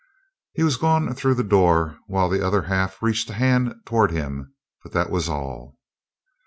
He was gone through the door while the other half reached a hand toward him. But that was all.